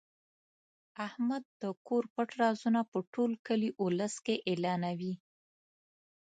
احمد د کور پټ رازونه په ټول کلي اولس کې اعلانوي.